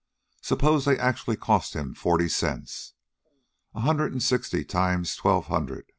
Suppose they actually cost him forty cents. A hundred and sixty times twelve hundred...